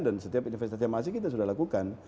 dan setiap investasi yang masih kita sudah lakukan